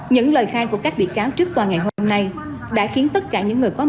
những lời khai của các bị cáo trước tòa ngày hôm nay đã khiến tất cả những người có